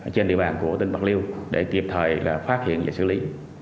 trên địa bàn của tỉnh bạc liêu để kịp thời phát hiện và xử lý